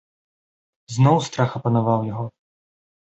Зноў страх апанаваў яго.